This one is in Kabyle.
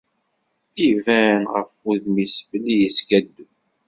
Iban ɣef wudem-is belli yeskaddeb.